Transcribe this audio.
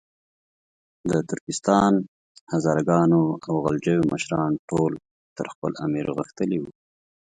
د ترکستان، هزاره ګانو او غلجیو مشران ټول تر خپل امیر غښتلي وو.